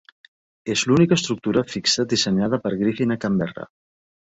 És l'única estructura fixa dissenyada per Griffin a Canberra.